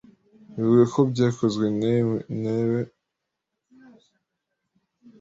ivuge ko byekozwe ne bemwe mu bekorere inzego ze Lete,